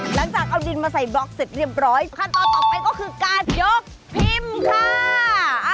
หลังจากเอาดินมาใส่บล็อกเสร็จเรียบร้อยขั้นตอนต่อไปก็คือการยกพิมพ์ค่ะ